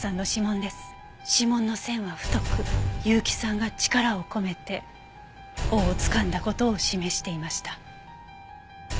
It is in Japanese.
指紋の線は太く結城さんが力を込めて尾をつかんだ事を示していました。